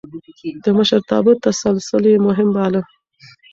د مشرتابه تسلسل يې مهم باله.